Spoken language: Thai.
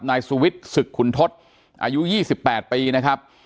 นายสุวิทย์ศึกขุนทศอายุ๒๘ปีนะครับ